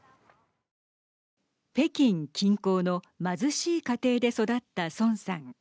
北京近郊の貧しい家庭で育った孫さん。